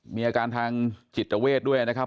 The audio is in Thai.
มีอาการทางจิตเวทด้วยนะครับ